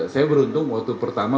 saya beruntung waktu pertama